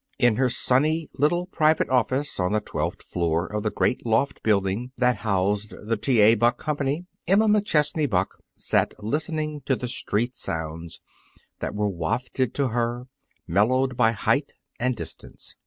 In her sunny little private office on the twelfth floor of the great loft building that housed the T. A. Buck Company, Emma McChesney Buck sat listening to the street sounds that were wafted to her, mellowed by height and distance.